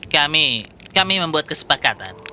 kami kami membuat kesepakatan